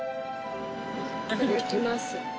いただきます。